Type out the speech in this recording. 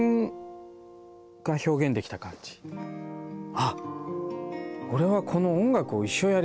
あっ！